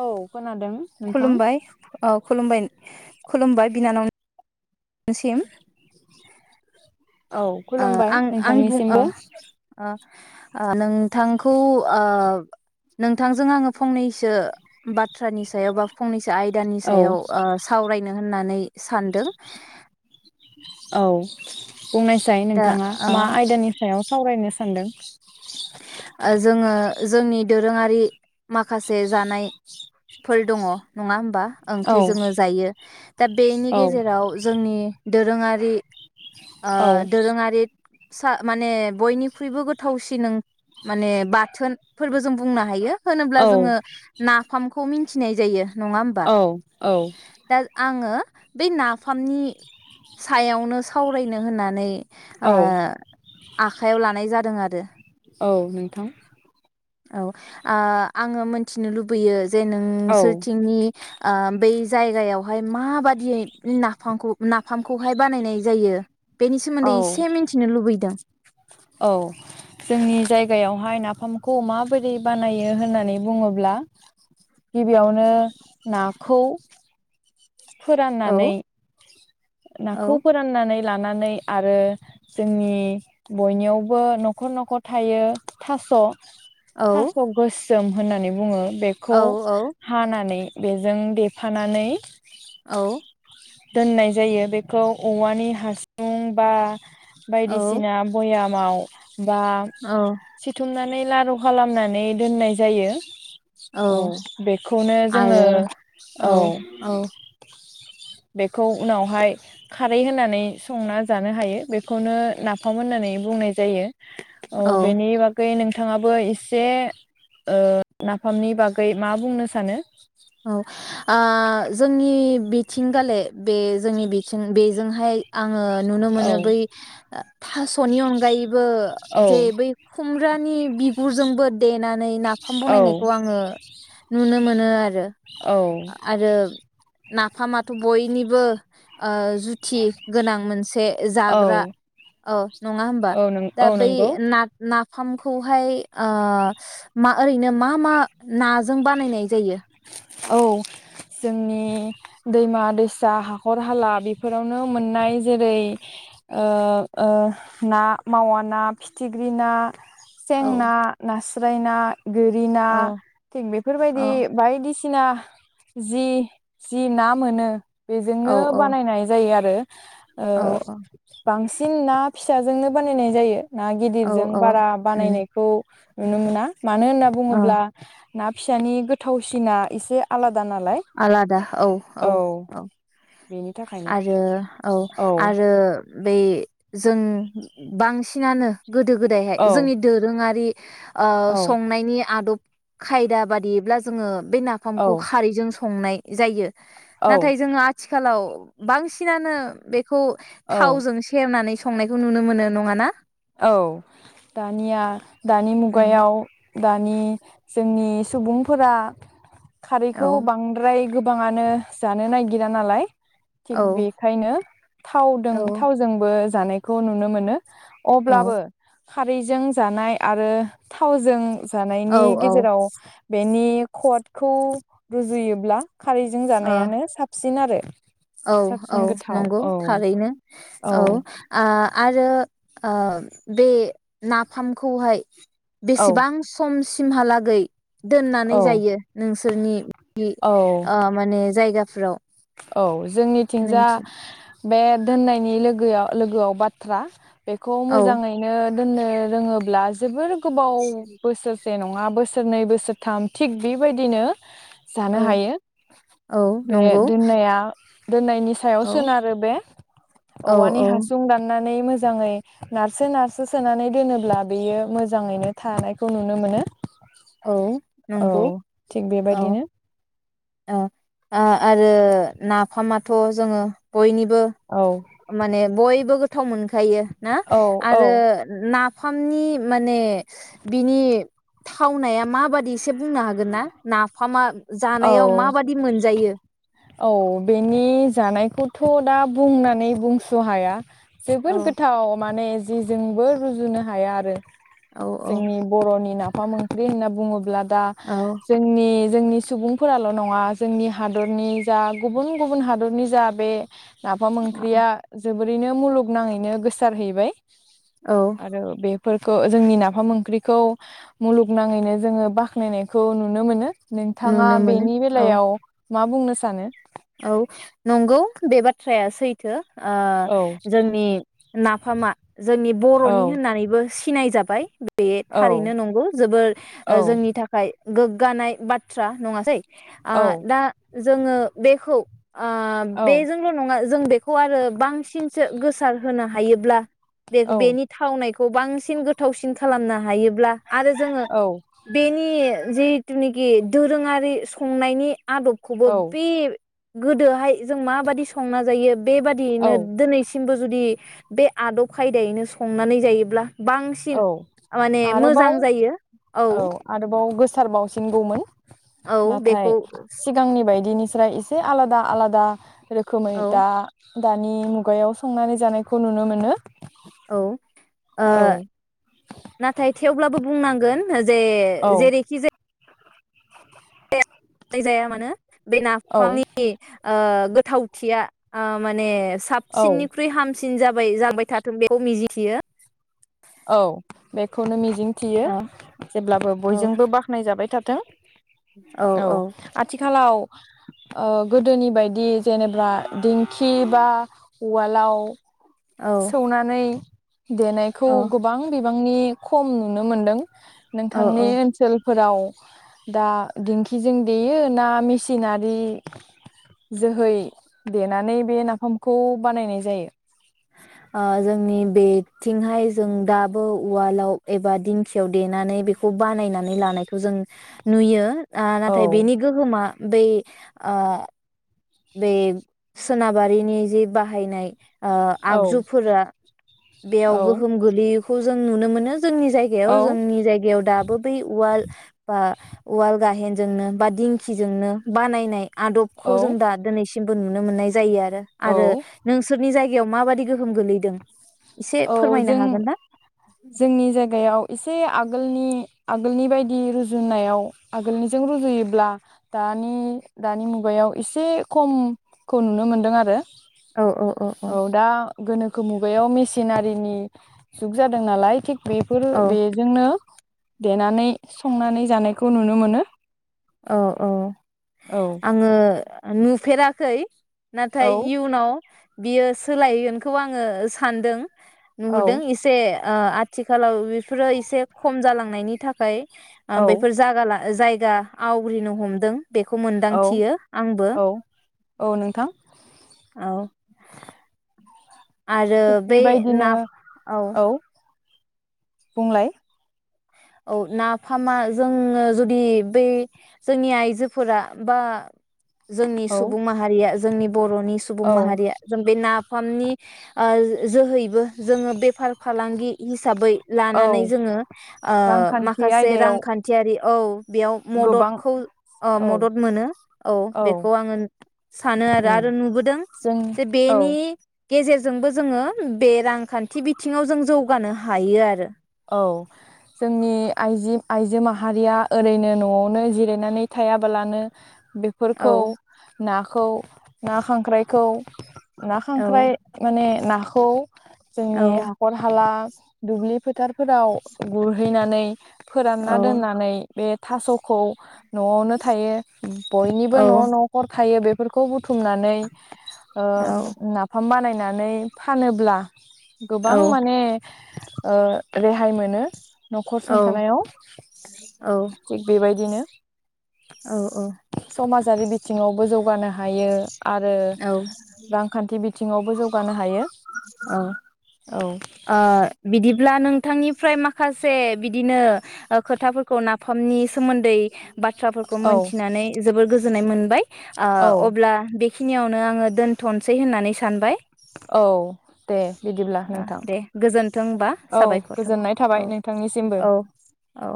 औ खोनादों नोंथां। खुलुमबाय औ खुलुमबाय खुलुमबाय बिनानाव। सिम [inaudible] औ ओ खुलुमबाय नोंथांनिसिमबो अ नोंथांखौ अ नोंथांजों आङो फंनैसो बाथ्रानि सायाव बा फंनैसो आयदानि औ सायाव ओ सावरायनो होननानै सानदो औ बुंनायसाय दा नोंथाङा ओ मा आयदानि सायाव सावरायनो सान्दों जोङो जोंनि दोरोङारि माखासे जानायफोर दङ नङा होमबा ओंख्रि औ जोङो जायो दा बेनि औ गेजेराव जोंनि दोरोङारि ओ औ दोरोङारि सा माने बयनिख्रुइबो गोथावसिन ओं माने बाथोन फोरबो जों बुंनो हायो होनोब्ला जोङो औ ना फामखौ मोनथिनाय जायो नङा होमबा औ औ दा आङो बे नाफामनि सायावनो सावरायनो होननानै आ औ आखायाव लानाय जादों आरो औ नोंथां औ आ आङो मोनथिनो लुबैयो जे नों औ सोरथिंनि आ बै जायगायाव बेवहाय माबादि दियै नाफामखौ नाफामखौहाय बानायनाय जायो बेनि सोमोन्दै औ एसे मिन्थिनो लुबैदों औ जोंनि जायगायावहाय नाफामखौ माबादि बानायो होननानै बुङोब्ला गिबियावनो नाखौ औ फोराननानै नाखौ औ फोराननानै लानानै आरो जोंनि बयनियावबो न'खर न'खर थायो थास' औ थास' गोसोम होननानै बुङो। औ बेखौ औ हानानै बेजों देफानानै औ दोननाय जायो बेखौ औवानि हासुं बा औ बायदिसिना बयाम माव बा औ सिथुमनानै लारु खालामनानै दोननाय जायो। औ बेखौनो जोङो आरो औ। बेखौ उनावहाय खारै होनानै संना जानो हायो बेखौनो नाफाम होननानै बुंनाय जायो। औ बेनि बागै नों थाङाबो एसे ओ नाफामनि बागै मा बुंनो सानो? औ आ जोंनि बिथिंगाले बे जोंनि बिथिं बेजोंहाय आं आङो नुनो औ मोनो बै थासनि अनगायै बो जे औ बै खुमरानि बिगुरजोंबो देनानै नाफाम औ बनायनायखौ आङो नुनो मोनो आरो। औ आरो नाफामाथ बयनिबो ओ जुथि गोनां मोनसे से जाग्रा औ औ नङा हबा औ नों दा औ बै नंगौ ना ना फामखौहाय ओ मा ओरैनो मा मा नाजों बानायनाय जायो? औ जोंनि दैमा दैसा हाखर हाला बेफोरावनो मोननाय जेरै ओ ओ ना मावा ना फिथिख्रि ना सें औ ना नास थुरायना। गोरिना औ थिग औ बेफोरबायदि बायदिसि थिना जि जि ना मोनो औ बेजोंनो औ बानायनाय जायो आरो। औ ओ बांसिन ना फिसाजोंनो बानायनाय जायो। ना औ गिदिरजों औ बारा उम बानायनायखौ नुनो मोना। मानो होनना औ बुङोब्ला ना फिसानि गोथावसिना एसे आला आलादा औ औ औ बेनि थाखायनो आरो औ आरो बै जों बांसिनानो गोदो गोदायहाय औ जोंनि दोरोङारि ओ औ संनायनि आदब खायदा बादियैब्ला जोंङो बे औ नाफामखौ खारैजों संनाय जायो औ नाथाय जोंङो आथिखालाव बांसिनानो बे खौ औ थावजों सेरनानै संनायखौ नुनो मोनो नङा ना? औ दानिया दानि मुगायाव दानि जोंनि सुबुंफोरा औ खारैखौ बांद्राय गोबांङानो जानो नागिरा नालाय थिग औ बेखायनो थावदों औ थावजोंबो जानायखौ नुनो मोनो। औ अब्लाबो खारैजों जानाय आरो थावजों औ जानायनि गेजेराव बेनि खदखौ रुजुयोब्ला खारैजों जानायानो साबसिन आरो औ औ साबसिन गोथाव नंगौ औ थारैनो औ आ आर आरो बे नाफामखौहाय औ बेसेबां सम सिमहालागै दोननानै औ जायो नोंसोरनि बि औ ओ माने जायगा फोराव औ जोंनिथिंजा बे दोननायनि लोगोआव लोगोआव बाथ्रा बेखौ औ मोजाङैनो दोननो रोङोब्ला जोबोर गोबाव बोसोरसे नङा नङा बोसोरनै बोसोरथाम थिग बेबायदिनो जानो औ हायो औ बे नंगौ दोननाया दोननायनि सायाव औ सोनारो बे औ औवानि औ हासुं दानना नै मोजाङै नारसो नारसो सोनानै दोनोब्ला बेयो मोजाङैनो थानायखौ नुनो मोनो। औ औ नंगौ थिग औ बेबायदिनो। ओ ओ आरो नाफामाथ जोङो बयनि बो औ माने बयबो गो थावमोन खायो ना औ औ आरो ना फामनि माने बिनि थावनाया माबादि एसे बुंनो हागोन ना नाफामा जानायाव औ माबादि मोनजायो? औ बेनि जानायखौथ दा बुंनानै बुंस हाया। औ जोबोर गोथाव माने जिजोंबो रुजुनो हाया आरो। औ औ जोंनि बर'नि ना फाम ओंख्रि होनना बुङोब्ला दा औ जोंनि जोंनि सुबुंफोराल' नङा जोंनि हादरनि जा गुबुन गुबुन हादरनि जा बे नाफाम ओंख्रिया जो बोरैनो मुलुगनाङैनो गोसारहैबाय। औ आरो बे फोरखौ जोंनि नाफाम ओंख्रिखौ मुलुगनाङैनो जोङो बाख्नायनायखौ नुनो मोनो। नोंथाङा नुनो मोनो बेनि औ बेलायाव मा बुंनो सानो? औ नंगौ बे बाथ्राया सैथो। ओ औ जोंनि नाफामा जोंनि बर'नि औ होननानैबो सिनाय जाबाय। बे थारैनो औ नंगौ जोबोर ओ औ जोंनि थाखाय गोग्गानाय बाथ्रा नङासै? आ औ दा जोङो बेखौ ओ औ बेजोंल नङा जों बेखौ आरो बांसिनसो गोसार होनो हायोब्ला बे-बेनि थावनाय बांसिन गोथावसिन खालामनो हायोब्ला आरो जोङो औ बेनि जिहेथुनिखि दोरोङारि संनायनि आदबखौबो औ [unintelligible] गोदोहाय जों माबादि संना जायो बेबादियैनो औ दिनैसिमबो जुदि बे आदब खायदायैनो संनानै जायोब्ला बांसिन औ माने आरोबाव मोजां जायो। औ सार बावसिनांगौमोन। औ नाथाय बेखौ सिगांनि बाय इनिस्राय एसे आलादा आलादा रोखोमै औ दा दानि मुगायाव संनानै जानायखौ नुनो मोनो। औ। ओ औ नाथाय थेवब्लाबो बुंनांगोन जे औ जेरैखि जा [unintelligible] जाया मानो बे औ नाफामनि ओ गोथावथिया ओ माने औ साबसिननिख्रुइ हाम सिन जाबाय जाबाय थाथों बेखौ मिजिथियो। औ बेखौनो मि जिंथियो औ जेब्लाबो औ बयजोंबो बाख्नाय जाबाय था थों। औ आथि खालाव ओ गोदोनि बायदि जेनोबा दिंखि बा उवालाव औ सौनानै देन खौ औ गोबां बिब बांनि खम नुनो मोन्दों। औ नोंथांनि औ ओनसोल फोराव दा दिंखिजों देयो ना मिसिनारि जोहै देनानै बे नाफामखौ बानायनाय जायो? थिंहाय जों दाबो उवालाव एबा दिंखियाव देनानै बेखौ बानायनानै लानायखौ जों नुयो। ओ औ नाथाय बेनि गोहोमा बे ओ बे सोनाबारिनि जे बाहायनाय ओ औ आगजुफोरा बेयाव औ गोहोम गोलैयो खौ जों नुनो मोनो जोंनि जायगायाव जोंनि जायगायाव दाबो बै उवाल बा उवाल गाहेनजोंनो बा दिंखिजोंनो बानायनाय आदबखौ औ जों दा सिमबो नुनो मोननाय जायो आरो रो औ आरो नोंसोरनि जायग गायाव माबादि गोहोम गोलैदों एसे औ फोरमायनो जों हागोन ना जोंनि जायगायाव एसे आग गोलनि आगोलनि बायदि रुजुनायाव आगोलनिजों रुजुयोब्ला दानि दानि मुगायाव एसे खम खौ नुनो मोनदों आरो औऔअअ औ दा गोनोखो मुगायाव मिसि सिनारिनि जुग जादों नालाय थिग बेफोर बेजोंनो देनानै संनानै जानायखौ नुनो मोनो औ औ औ आङो आं नुफेराखै नाथाय औ इउनाव बियो सोलायगोनखौ आङो सानदों नुहुरदों औ एसे ओ आथ थिखालाव बेफोरो एसे खम जालांनायनि थाखाय ओ औ बेफोर जागाला जायगा आवग्रिनो हमदों बेखौ औ मोनदांथियो आंबो औ औ नोंथां औ आरो थिग बे ना औ बुंंलाय औ नाफामा जोङो जुदि बै जोंनि आइजोफोरा बा जोंनि औ सुबुं माहारिया जोंनि बरनि सुबुं औ माहारिया जों बे नाफामनि ओ जोहैबो जोङो बेफार फालांगि हिसाबै औ लानानै जोङो ओ रांखान्थि माखासे आयदायाव रांखान्थियारि औ बेयाव गोबां मददखौ ओ औ मदद मोनो औ बेखौ आङो सानो आरो उम आरो नुबोदों जों जे औ बेनि गेजेरजोंबो जोङो बे रांखान्थि बिथिङाव जों जौगानो हायो आरो औ जोंनि आइजि आइजो माहारिया ओरैनो नआवनो जिरायनानै थायाबालानो औ बेफोरखौ ना खौ ना खांख्राइखौ ना औ खांख्राइ माने नाखौ औ जोंनि हाखर हाला दुब्लि फोथार फोराव गुरहैनानै फोरानना औ दोननानै बे थास'खौ न'आवनो थायो बयनिबो न' औ नखर थायो बे बेफोरखौ बुथुमनानै ओ औ नाफाम बानाय नानै फानोब्ला औ गोबां माने ओ रेहाय मोनो। नखर औ सुंथानायाव थिग बेबायदिनो औ औ समाज जारि बिथिङावबो जौगानो हायो। आरो औ रांखान्थि बिथिं थिंआवबो जौगानो हायो औ औ ओ बिदिब्ला नोंथांनि फ्राय माखासे बिदिनो खोथाफोरखौ नाफामनि सोमोन्दै बाथ्राफोरखौ औ मोनथिनानै जोबोर गोजोननाय मोन औ ओ अब्ला बे खिनियावनो आङो दोनथनोसै होननानै सानबाय। औ दे बिदिब्ला ओ नोंथां दे गोजोन्थों होनबा औ साबायखर गोजोननाय थाबाय औ नोंथांनिसिमबो। औ औ